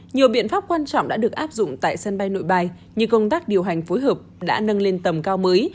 nhiều biện pháp quan trọng đã được áp dụng tại sân bay nội bài như công tác điều hành phối hợp đã nâng lên tầm cao mới